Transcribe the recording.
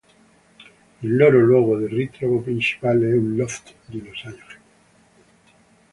Il loro luogo di ritrovo principale è un loft di Los Angeles.